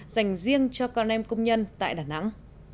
dành riêng cho con em công nhân tại đà nẵng